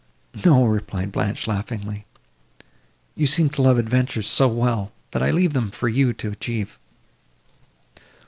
"No," replied Blanche, laughingly, "you seem to love adventures so well, that I leave them for you to achieve."